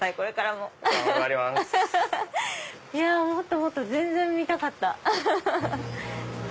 もっともっと全然見たかった。